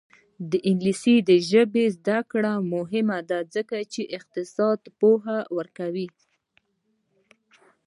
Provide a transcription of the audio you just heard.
د انګلیسي ژبې زده کړه مهمه ده ځکه چې اقتصاد پوهه ورکوي.